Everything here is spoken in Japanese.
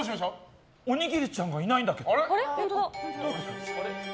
おにぎりちゃんがいないんだけど。